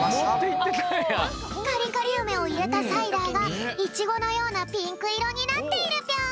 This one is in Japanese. カリカリうめをいれたサイダーがいちごのようなピンクいろになっているぴょん。